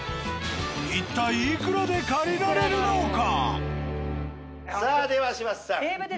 一体いくらで借りられるのか？